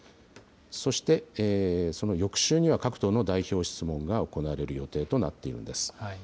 そして、その翌週には各党の代表質問が行われる予定となっているんです。